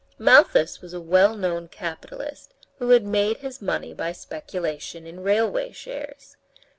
Malthus was a well known capitalist, who had made his money by speculation in railway shares.